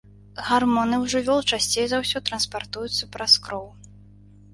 Гармоны ў жывёл часцей за ўсё транспартуюцца праз кроў.